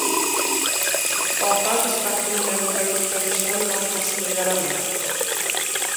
Portal ish vaqtini behuda ketkizishdan boshqasiga yaramayapti!